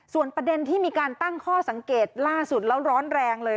ส่วนประเด็นที่มีการตั้งข้อสังเกตล่าสุดแล้วร้อนแรงเลย